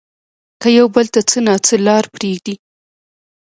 که يو بل ته څه نه څه لار پرېږدي